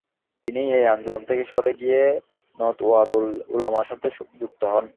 তিনি এই আন্দোলন থেকে সরে গিয়ে নদওয়াতুল উলামার সাথে যুক্ত হন।